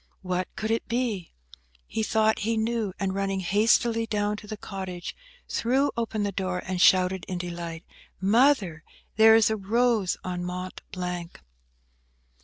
What could it be? He thought he knew; and running hastily down to the cottage, threw open the door, and shouted in delight, "Mother! there is a rose on Mont Blanc!"